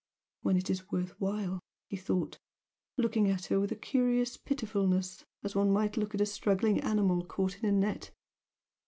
"When it is worth while!" he thought, looking at her with a curious pitifulness as one might look at a struggling animal caught in a net.